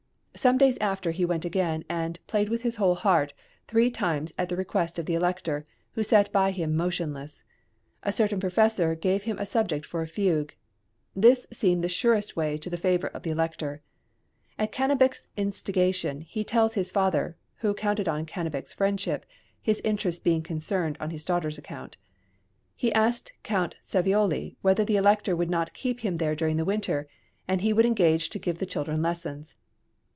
Some days after he went again, and "played with his whole heart" three times at the request of the Elector, who sat by him "motionless"; a certain professor gave him a subject for a fugue. This seemed the surest way to the favour of the Elector. At Cannabich's instigation, as he tells his father (who counted on Cannabich's friendship, {MANNHEIM.} (394) his interest being concerned on his daughter's account), he asked Count Savioli whether the Elector would not keep him there during the winter, and he would engage to give the children lessons.